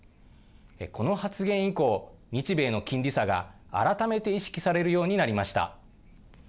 この発言以降、日米の金利差が改めて意識されるようになりました。